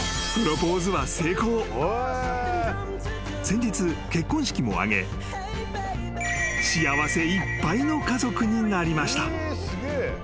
［先日結婚式も挙げ幸せいっぱいの家族になりました］